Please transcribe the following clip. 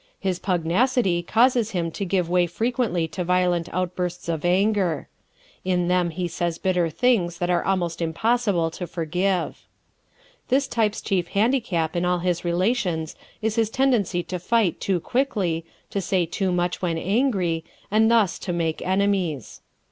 His pugnacity causes him to give way frequently to violent outbursts of anger. In them he says bitter things that are almost impossible to forgive. This type's chief handicap in all his relations is his tendency to fight too quickly, to say too much when angry, and thus to make enemies.